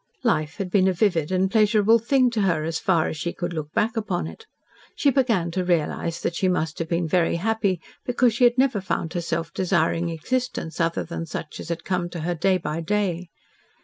Life had been a vivid and pleasurable thing to her, as far as she could look back upon it. She began to realise that she must have been very happy, because she had never found herself desiring existence other than such as had come to her day by day.